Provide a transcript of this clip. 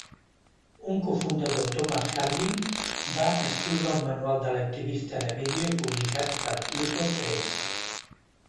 Un cofundador, Thomas Harding, va escriure el manual de l'activista de vídeo publicat per Pluto Press.